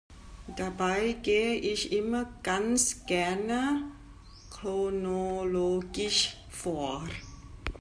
Dabei gehe ich immer ganz gerne chronologisch vor.